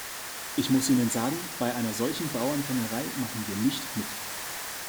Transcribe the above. Ich muss Ihnen sagen, bei einer solchen Bauernfängerei machen wir nicht mit.